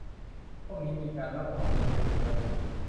พวกนี้มีการรับโอนเงินเป็นปกติ